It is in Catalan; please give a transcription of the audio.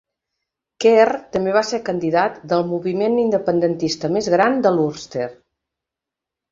Kerr també va ser candidat del moviment independentista més gran de l'Ulster.